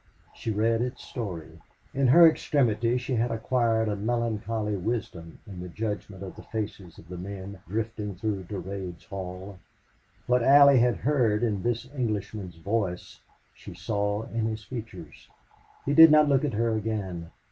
She read its story. In her extremity she had acquired a melancholy wisdom in the judgment of the faces of the men drifting through Durade's hall. What Allie had heard in this Englishman's voice she saw in his features. He did not look at her again.